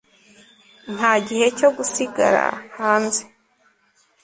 nta gihe cyo gusigara hanze